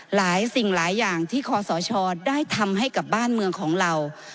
หลายสิ่งหลายอย่างที่คอสชได้ทำให้กับบ้านเมืองของเรา